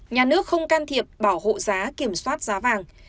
nhà nước không can thiệp bảo hộ giá kiểm soát giá vàng